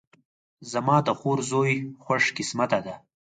زما د خور زوی خوش قسمته ده